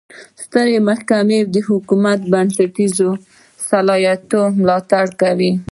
سترې محکمې او حکومت د بنسټیزو اصلاحاتو ملاتړ وکړ.